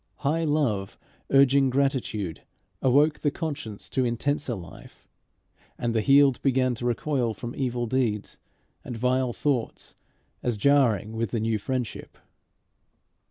High love urging gratitude awoke the conscience to intenser life; and the healed began to recoil from evil deeds and vile thoughts as jarring with the new friendship.